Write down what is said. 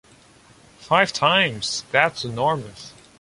Five times? That’s enormous!